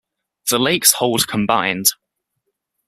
The lakes hold combined.